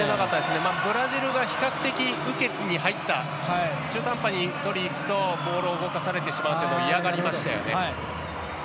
ブラジルが比較的、受けに入った中途半端に取りにいくとボールを動かされるのを嫌がりましたよね。